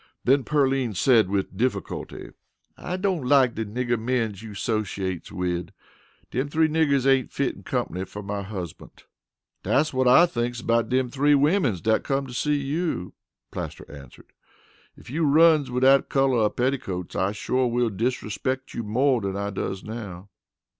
Then Pearline said with difficulty: "I don't like de nigger mens you 'socheates wid. Dem three niggers ain't fitten comp'ny fer my husbunt." "Dat's whut I thinks about dem three womens dat come to see you," Plaster answered. "Ef you runs wid dat color of petticoats I shore will disrespeck you mo' dan I does now."